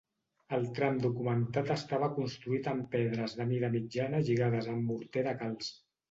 El tram documentat estava construït amb pedres de mida mitjana lligades amb morter de calç.